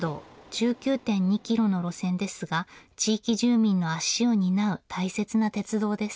１９．２キロの路線ですが地域住民の足を担う大切な鉄道です。